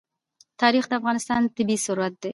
تاریخ د افغانستان طبعي ثروت دی.